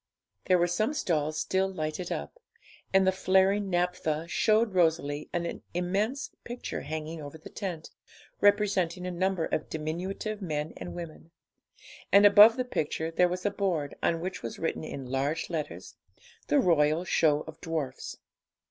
There were some stalls still lighted up, and the flaring naphtha showed Rosalie an immense picture hanging over the tent, representing a number of diminutive men and women; and above the picture there was a board, on which was written in large letters 'The Royal Show of Dwarfs.'